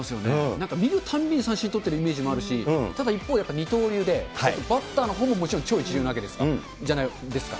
なんか見るたんびに三振取ってるイメージもあるし、ただ一方で、二刀流で、バッターのほうももちろんもちろん超一流なわけじゃないですか。